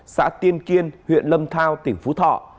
xã tiên kiên huyện lâm thao tỉnh phú thọ